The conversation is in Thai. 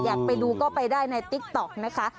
อยากไปดูก็ไปได้ในติ๊กต๊อกนะคะ